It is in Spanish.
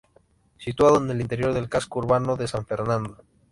Situado en el interior del casco urbano de San Fernando.